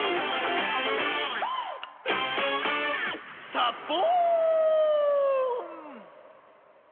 「サボーン！」